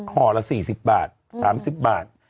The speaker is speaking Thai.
ห่อละ๔๐บาท๓๐บาท